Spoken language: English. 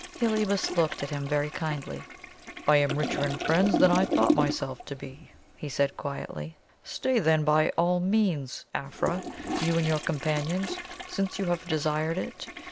Heliobas looked at him very kindly. "I am richer in friends than I thought myself to be," he said quietly. "Stay then, by all means, Afra, you and your companions, since you have desired it.